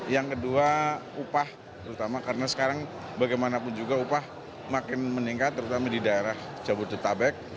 yang kedua upah terutama karena sekarang bagaimanapun juga upah makin meningkat terutama di daerah jabodetabek